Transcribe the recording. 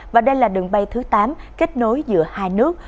và đây là đường bay thứ tám kết nối giữa hai nước